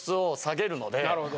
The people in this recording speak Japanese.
なるほど。